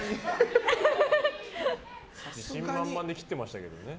自信満々で切ってましたけどね。